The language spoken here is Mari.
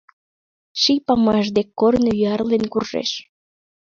Ший памаш дек корно Юарлен куржеш.